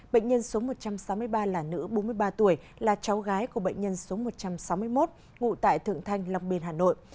bệnh nhân số một trăm sáu mươi ba là nữ bốn mươi ba tuổi là cháu gái của bệnh nhân số một trăm sáu mươi một ngụ tại thượng thanh long biên hà nội